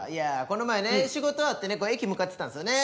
この前ね仕事終わってね駅向かってたんですよね。